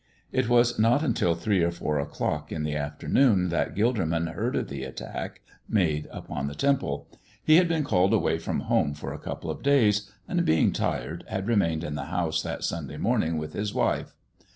It was not until three or four o'clock in the afternoon that Gilderman heard of the attack made upon the Temple. He had been called away from home for a couple of days, and, being tired, had remained in the house that Sunday morning with his wife.